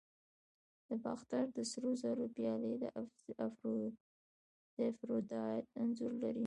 د باختر د سرو زرو پیالې د افروډایټ انځور لري